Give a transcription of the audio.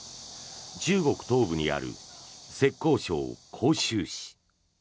中国東部にある浙江省杭州市。